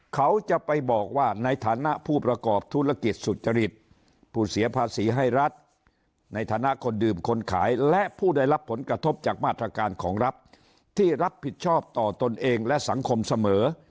เขาจะไปบอกว่าในฐานะผู้ประกอบธุรกิจสุจริตผู้เสียภาษีให้รัฐในฐานะคนดื่มคนขายและผู้ได้รับผลกระทบจากมาตรการของรัฐที่รับผิดชอบต่อตนเองและสังคมเสมอ